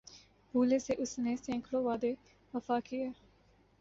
بھولے سے اس نے سیکڑوں وعدے وفا کیے